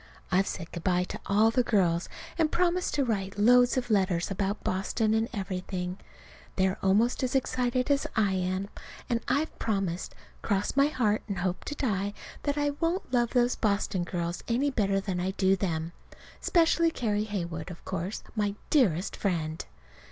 I've said good bye to all the girls, and promised to write loads of letters about Boston and everything. They are almost as excited as I am; and I've promised, "cross my heart and hope to die," that I won't love those Boston girls better than I do them specially Carrie Heywood, of course, my dearest friend.